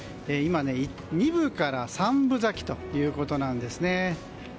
今、二分から三分咲きということなんですね。